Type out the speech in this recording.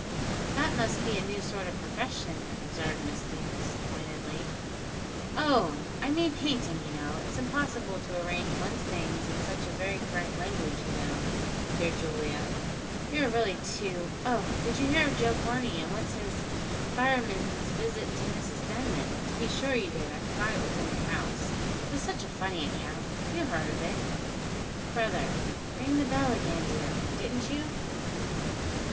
"That must be a new sort of profession," observed Miss Deemas pointedly. "Oh! I mean painting, you know. It's impossible to arrange one's things in such very correct language, you know, dear Julia; you are really too oh! did you hear of Joe Corney, and what's his fireman's visit to Mrs Denman? To be sure you did; I forgot it was in your house. It was such a funny account; you heard of it, brother (ring the bell again, dear), didn't you?"